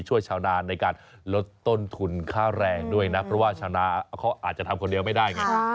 ชาวนานในการลดต้นทุนค่าแรงด้วยนะเพราะว่าชาวนาเขาอาจจะทำคนเดียวไม่ได้ไง